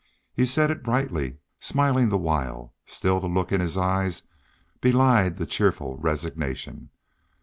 He said it brightly, smiling the while; still the look in his eyes belied the cheerful resignation.